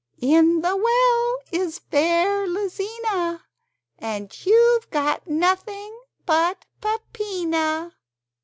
In the well is fair Lizina, And you've got nothing but Peppina.